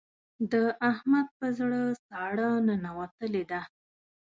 د احمد په زړه ساړه ننوتلې ده.